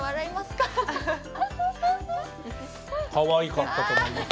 かわいかったと思います。